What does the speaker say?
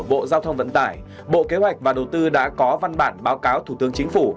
bộ giao thông vận tải bộ kế hoạch và đầu tư đã có văn bản báo cáo thủ tướng chính phủ